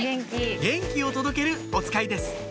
元気を届けるおつかいです